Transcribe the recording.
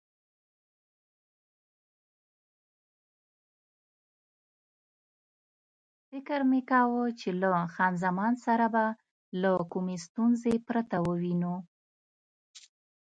فکر مې کاوه چې له خان زمان سره به له کومې ستونزې پرته ووینو.